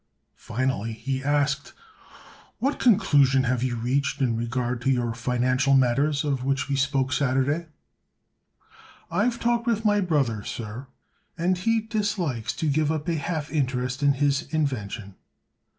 Finally he asked: "What conclusion have you reached in regard to your financial matters, of which we spoke Saturday?" "I've talked with my brother, sir, and he dislikes to give up a half interest in his invention."